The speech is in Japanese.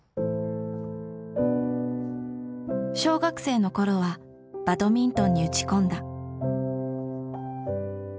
小学生の頃はバドミントンに打ち込んだ。